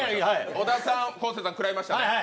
小田さん、昴生さんくらいましたね